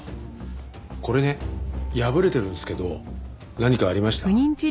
これね破れてるんですけど何かありました？